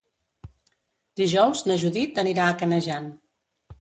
Dijous na Judit anirà a Canejan.